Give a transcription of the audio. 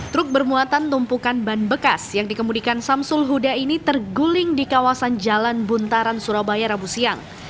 truk bermuatan tumpukan ban bekas yang dikemudikan samsul huda ini terguling di kawasan jalan buntaran surabaya rabu siang